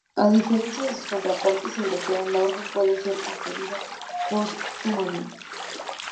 A diferencia de sus contrapartes europeas, la orden puede ser conferida póstumamente.